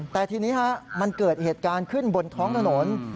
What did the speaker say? แต่ทีนี้มันเกิดเหตุการณ์ขึ้นบนท้องถนน